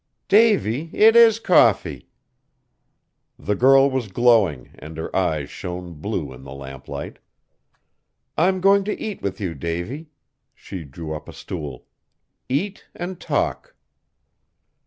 "Davy, it is coffee!" The girl was glowing, and her eyes shone blue in the lamplight. "I'm going to eat with you, Davy," she drew up a stool, "eat and talk."